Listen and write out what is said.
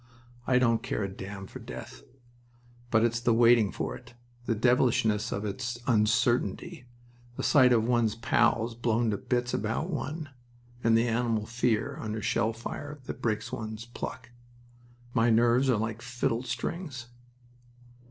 "I don't care a damn for death; but it's the waiting for it, the devilishness of its uncertainty, the sight of one's pals blown to bits about one, and the animal fear under shell fire, that break one's pluck... My nerves are like fiddle strings."